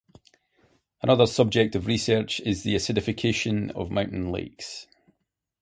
Another subject of research is the acidification of mountain lakes.